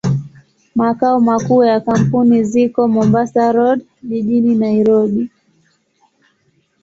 Makao makuu ya kampuni ziko Mombasa Road, jijini Nairobi.